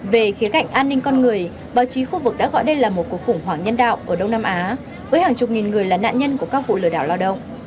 về khía cạnh an ninh con người báo chí khu vực đã gọi đây là một cuộc khủng hoảng nhân đạo ở đông nam á với hàng chục nghìn người là nạn nhân của các vụ lừa đảo lao động